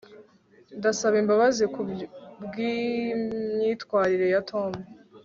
ndasaba imbabazi kubwimyitwarire ya tom